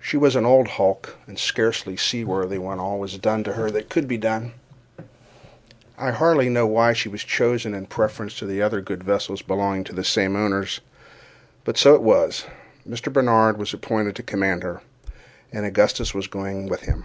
She was an old hulk, and scarcely seaworthy when all was done to her that could be done. I hardly know why she was chosen in preference to other good vessels belonging to the same owners—but so it was. Mr. Barnard was appointed to command her, and Augustus was going with him.